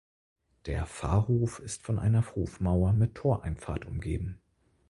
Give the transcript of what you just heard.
Der Pfarrhof ist von einer Hofmauer mit Toreinfahrt umgeben.